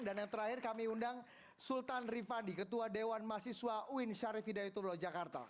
dan yang terakhir kami undang sultan rifandi ketua dewan mahasiswa uin syarif hidayatullah jakarta